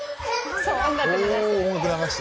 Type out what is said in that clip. そう音楽流して。